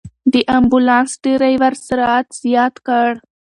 د امبولانس ډرېور سرعت زیات کړ.